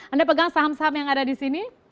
anda pegang saham saham yang ada di sini